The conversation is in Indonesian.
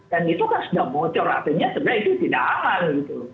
dan itu kan sudah bocor artinya sebenarnya itu tidak akan